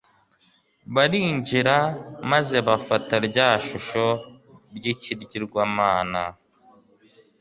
barinjira maze bafata rya shusho ry'ikigirwamana